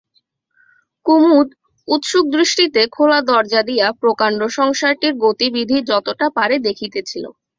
কুমুদ উৎসুকদৃষ্টিতে খোলা দরজা দিয়া প্রকান্ড সংসারটির গতিবিধি যতটা পারে দেখিতেছিল।